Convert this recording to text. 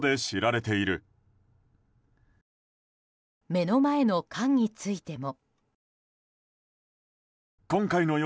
目の前の缶についても。